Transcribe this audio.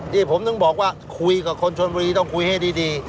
นี่ผมถึงบอกว่าคุยกับคนชนบุรีต้องคุยให้ดี